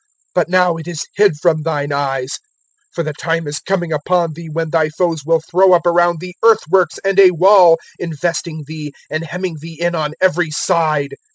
But now it is hid from thine eyes. 019:043 For the time is coming upon thee when thy foes will throw up around thee earthworks and a wall, investing thee and hemming thee in on every side.